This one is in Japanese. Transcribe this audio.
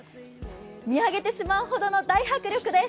見上げてしまうほどの大迫力です。